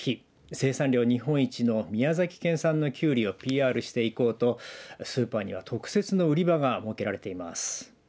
生産量日本一の宮崎県産のきゅうりをＰＲしていこうとスーパーには特設の売り場が設けられています。